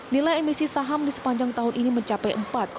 nilai emisi saham di sepanjang tahun ini mencapai empat enam puluh satu